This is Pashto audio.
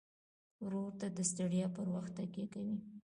ورور ته د ستړیا پر وخت تکیه کوي.